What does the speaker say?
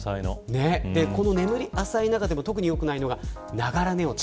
眠り浅い中でも特によくないのがながら寝落ち。